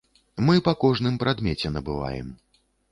Мы па кожным прадмеце набываем.